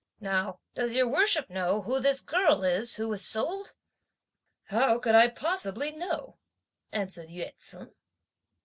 Now does your worship know who this girl is who was sold?" "How could I possibly know?" answered Yü ts'un.